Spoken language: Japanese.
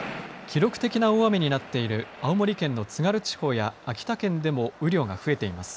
記録的な大雨になっている青森県の津軽地方や秋田県でも雨量が増えています。